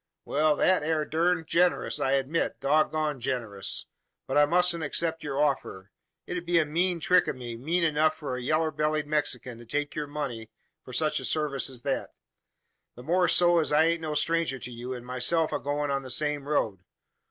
"Wal that air durned gin'rous, I admit dog goned gin'rous. But I mussent except yur offer. It 'ud be a mean trick o' me mean enuf for a yeller bellied Mexikin to take yur money for sech a sarvice as thet: the more so es I ain't no stranger to ye, an myself a goin' the same road.